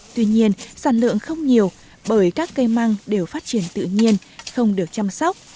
tuy nhiên sản lượng không nhiều bởi các cây măng đều phát triển tự nhiên không được chăm sóc